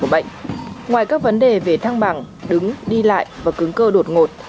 ngoài các vấn đề về thăng bằng đứng đi lại và cứng cơ đột ngột